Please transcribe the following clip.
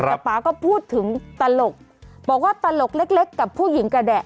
แต่ป๊าก็พูดถึงตลกบอกว่าตลกเล็กกับผู้หญิงกระแดะ